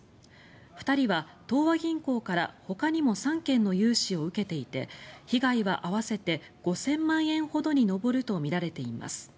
２人は東和銀行からほかにも３件の融資を受けていて被害は合わせて５０００万円ほどに上るとみられています。